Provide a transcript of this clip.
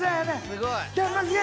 すごい。